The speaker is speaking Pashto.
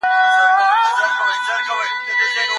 د ژوند حق د هر چا فطري غوښتنه ده.